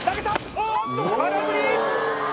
おっと空振り！